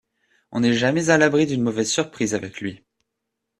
On n'est jamais à l'abri d'une mauvaise surprise avec lui.